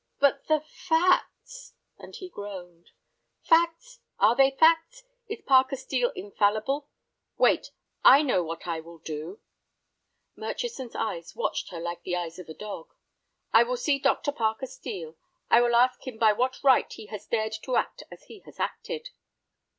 "But the facts," and he groaned. "Facts! Are they facts? Is Parker Steel infallible? Wait, I know what I will do." Murchison's eyes watched her like the eyes of a dog. "I will see Dr. Parker Steel. I will ask him by what right he has dared to act as he has acted."